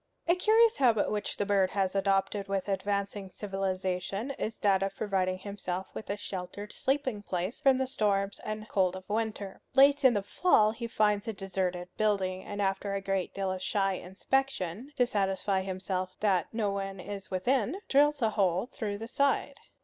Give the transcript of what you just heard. A curious habit which the bird has adopted with advancing civilization is that of providing himself with a sheltered sleeping place from the storms and cold of winter. Late in the fall he finds a deserted building, and after a great deal of shy inspection, to satisfy himself that no one is within, drills a hole through the side.